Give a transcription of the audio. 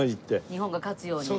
日本が勝つように。